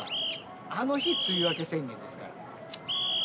あの日梅雨明け宣言ですから。